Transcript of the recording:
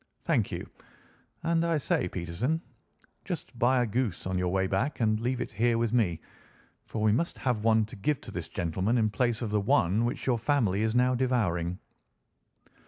Thank you. And, I say, Peterson, just buy a goose on your way back and leave it here with me, for we must have one to give to this gentleman in place of the one which your family is now devouring."